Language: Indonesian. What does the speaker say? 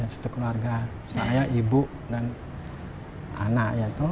sekeluarga saya ibu dan anak ya